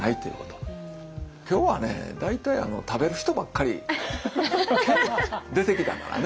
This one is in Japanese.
今日はね大体食べる人ばっかり出てきたからね。